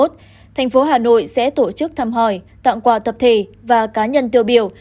thành phố hà nội sẽ tổ chức thăm hỏi tặng quà tập thể và cá nhân tiêu biểu